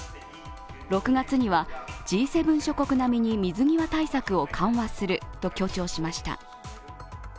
６月にはＧ７諸国並みに水際対策を緩和すると強調しました。